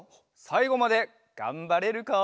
さいごまでがんばれるか？